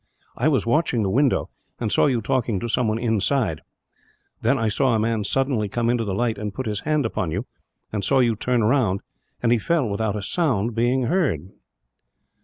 "I was watching the window, and saw you talking to someone inside; then I saw a man suddenly come into the light and put his hand upon you, and saw you turn round, and he fell without a sound being heard."